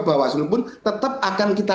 bawaslu pun tetap akan kita